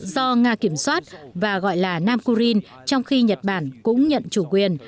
do nga kiểm soát và gọi là nam kurin trong khi nhật bản cũng nhận chủ quyền